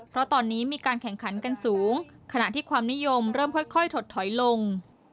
เพราะตอนนี้มีการแข่งขันกันสูงขณะที่ความนิยมเริ่มค่อยถดถอยลง